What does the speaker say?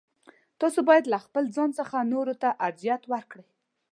تاسو باید له خپل ځان څخه نورو ته ارجحیت ورکړئ.